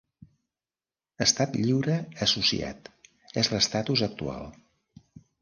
Estat Lliure Associat: és l'estatus actual.